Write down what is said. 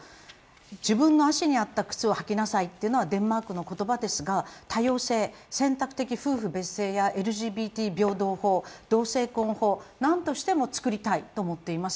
自分の脚にあった靴を履きなさいというのはデンマークの言葉ですが、多様性、選択的夫婦別姓やＬＧＢＴ平等法同性婚法、なんとしても作りたいと思っています。